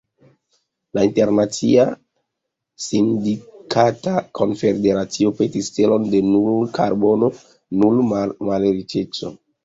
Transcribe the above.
La Internacia Sindikata Konfederacio petis celon de "nul karbono, nul malriĉeco".